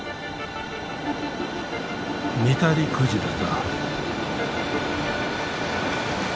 ニタリクジラだ。